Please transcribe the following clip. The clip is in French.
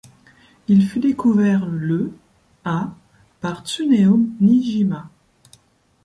Il fut découvert le à par Tsuneo Niijima.